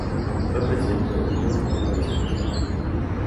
Fue presidente del club en tres ocasiones diferentes.